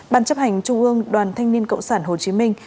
ban chấp hành trung ương đoàn thanh niên cộng sản hồ chí minh